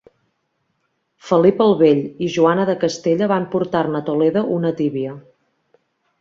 Felip el Bell i Joana de Castella van portar-ne a Toledo una tíbia.